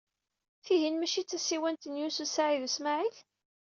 Tihin maci d tasiwant n Yunes u Saɛid u Smaɛil?